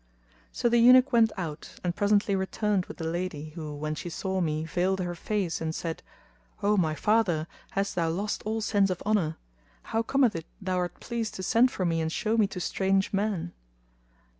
"' So the Eunuch went out and presently returned with the lady who, when she saw me veiled her face and said, "O my father! hast thou lost all sense of honour? How cometh it thou art pleased to send for me and show me to strange men?"